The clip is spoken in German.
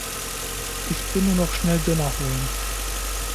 Ich bin nur noch schnell Döner holen.